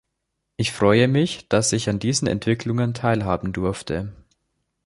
Ich freue mich, dass ich an diesen Entwicklungen teilhaben durfte.